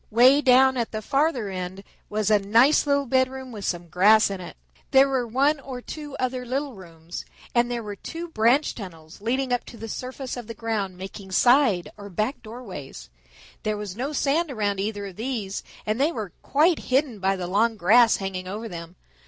Way down at the farther end was a nice little bedroom with some grass in it. There were one or two other little rooms, and there were two branch tunnels leading up to the surface of the ground, making side or back doorways. There was no sand around either of these, and they were quite hidden by the long grass hanging over them.